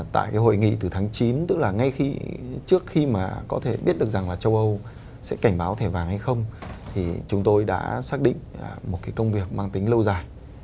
tại cái hội nghị từ tháng chín tức là ngay trước khi mà có thể biết được rằng là châu âu sẽ cảnh báo thẻ vàng hay không thì chúng tôi đã xác định một cái công việc mang tính lâu dài